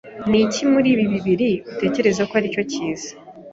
Niki muri ibi bibiri utekereza ko aricyo cyiza?